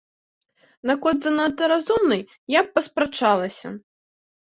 Наконт занадта разумнай я б паспрачалася.